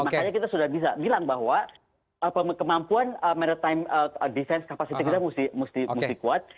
makanya kita sudah bisa bilang bahwa kemampuan maritime design capacity kita mesti kuat